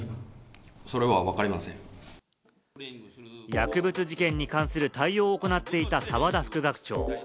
薬物事件に関する対応を行っていた澤田副学長。